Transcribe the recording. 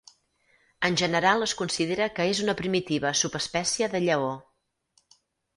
En general es considera que és una primitiva subespècie de lleó.